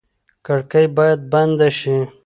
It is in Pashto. کړکۍ باید بنده شي.